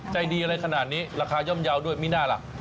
ใจดีอะไรขนาดนี้ราคาย่อมเยาว์ด้วยไม่น่าล่ะ